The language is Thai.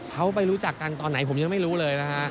เขาไปรู้จักกันตอนไหนผมยังไม่รู้เลยนะฮะ